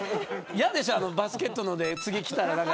嫌でしょ、バスケットので次、来たら。